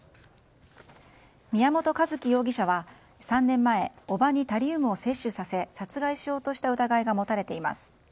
宮本一希容疑者は３年前叔母にタリウムを摂取させ殺害しようとした疑いが持たれています。